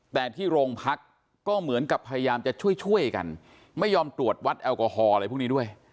แต่ที่โรงพักก็เหมือนกับพยายามจะช่วยช่วยกันไม่ยอมตรวจวัดแอลกอฮอล์อะไรพวกนี้ด้วย